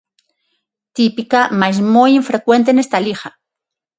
Típica mais moi infrecuente nesta liga.